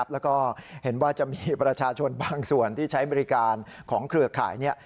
แล้วก็เห็นว่าจะมีประชาชนบางส่วนที่ใช้บริการของเครือข่าย